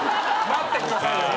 待ってくださいよ。